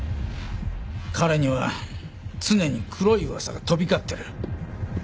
彼には常に黒い噂が飛び交ってる。